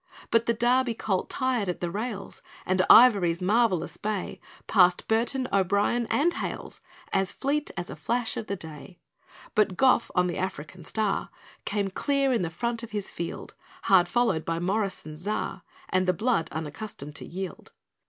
But the Derby colt tired at the rails, And Ivory's marvellous bay Passed Burton, O'Brien, and Hales, As fleet as a flash of the day. But Gough on the African star Came clear in the front of his "field", Hard followed by Morrison's Czar And the blood unaccustomed to yield.